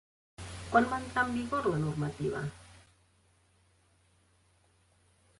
Quan va entrar en vigor la normativa?